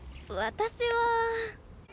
私は。